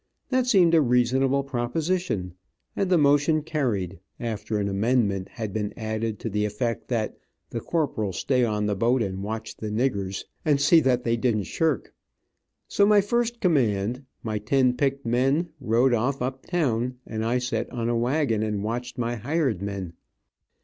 That seemed a reasonable proposition, and the motion carried, after an amendment had been added to the effect that the Corporal stay on the boat and watch the niggers, and see that they didn't shirk. So my first command, my ten picked men, rode off up town, and I set on a wagon and watched my hired men.